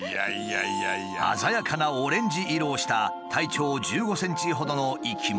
鮮やかなオレンジ色をした体長１５ｃｍほどの生き物。